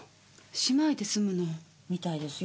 姉妹で住むの？みたいですよ。